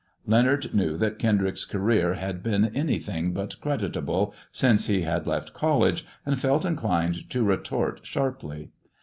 Leonard knew that Kendrick's career had been anything but creditable since he had left college, and felt inclined to retort sharply.